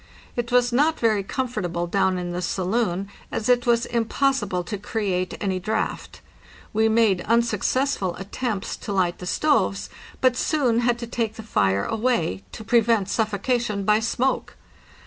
It was not very comfortable down in the saloon, as it was impossible to create any draught. We made unsuccessful attempts to light the stoves, but soon had to take the fire away, to prevent suffocation by smoke.